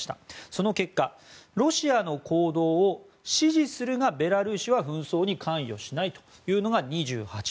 その結果、ロシアの行動を支持するが、ベラルーシ自体は紛争に関与しないが２８％。